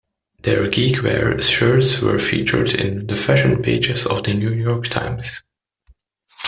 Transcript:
Their "geekware" shirts were featured in the fashion pages of the "New York Times".